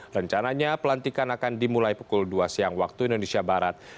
rencananya pelantikan akan dimulai pukul dua siang waktu indonesia barat